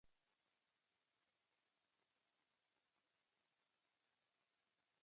Probablement cap d'ells no va disparar mai un tret.